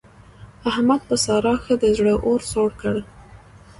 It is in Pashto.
احمد په سارا ښه د زړه اور سوړ کړ.